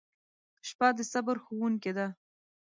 • شپه د صبر ښوونکې ده.